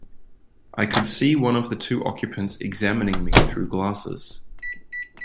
I could see one of the two occupants examining me through glasses.